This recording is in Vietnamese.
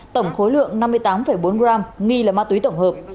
tổng khối lượng năm mươi tám bốn gram nghi là ma túy tổng hợp